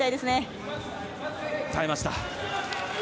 耐えました。